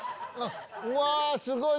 うわすごい！